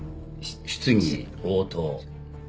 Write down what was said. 「質疑応答」